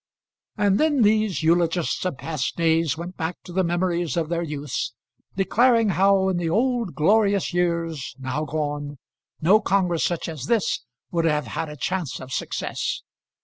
And then these eulogists of past days went back to the memories of their youths, declaring how in the old glorious years, now gone, no congress such as this would have had a chance of success.